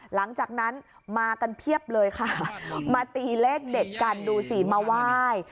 หลังจากนั้นมากันเพียบเลยค่ะมาตีเลขเด็ดกันดูสิมาไหว้